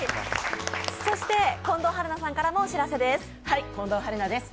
そして近藤春菜さんからもお知らせです。